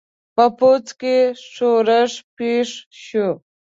په پوځ کې ښورښ پېښ شو.